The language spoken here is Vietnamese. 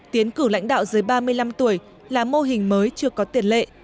tiến cử lãnh đạo dưới ba mươi năm tuổi là mô hình mới chưa có tiền lệ